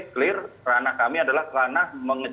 clear ranah kami adalah ranah